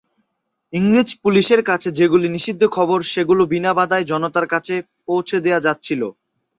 ইংরেজ পুলিশের কাছে যেগুলি নিষিদ্ধ খবর সেগুলি বিনা বাধায় জনতার কাছে পৌঁছে দেওয়া যাচ্ছিল।